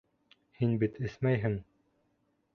Һин бит эсмәйһең.